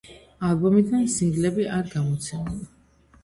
ალბომიდან სინგლები არ გამოცემულა.